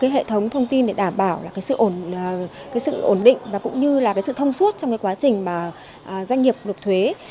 hệ thống thông tin để đảm bảo sự ổn định và cũng như là sự thông suốt trong quá trình doanh nghiệp nộp thuế